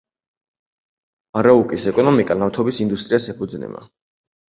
არაუკის ეკონომიკა ნავთობის ინდუსტრიას ეფუძნება.